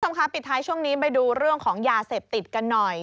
คุณผู้ชมคะปิดท้ายช่วงนี้ไปดูเรื่องของยาเสพติดกันหน่อย